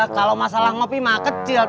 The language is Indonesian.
kalau masalah ngopi mah kecil